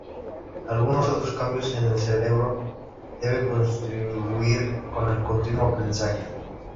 Algunos otros cambios en el cerebro deben contribuir con el continuo aprendizaje.